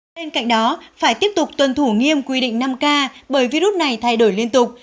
bên cạnh đó phải tiếp tục tuân thủ nghiêm quy định năm k bởi virus này thay đổi liên tục